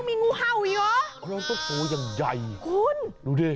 พี่พินโย